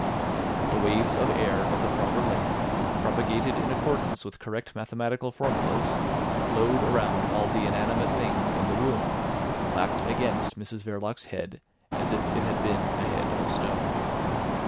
The waves of air of the proper length, propagated in accordance with correct mathematical formulas, flowed around all the inanimate things in the room, lapped against Mrs Verloc's head as if it had been a head of stone.